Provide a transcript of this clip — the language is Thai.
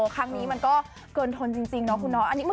ครั้งนี้มันก็เกินทนจริงเนาะคุณเนาะ